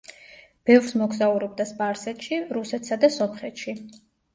ბევრს მოგზაურობდა სპარსეთში, რუსეთსა და სომხეთში.